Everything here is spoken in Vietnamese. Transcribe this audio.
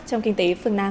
trong kinh tế phương nam